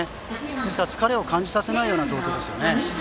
ですから、疲れを感じさせないような投球ですよね。